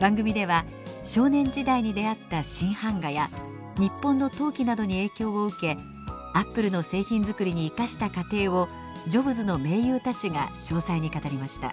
番組では少年時代に出会った新版画や日本の陶器などに影響を受けＡｐｐｌｅの製品作りに生かした過程をジョブズの盟友たちが詳細に語りました。